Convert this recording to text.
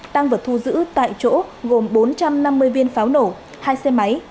tăng vật thu giữ tại chỗ gồm bốn trăm năm mươi viên pháo nổ hai xe máy